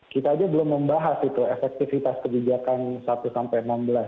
kita belum membahas efektivitas kebijakan satu sampai enam belas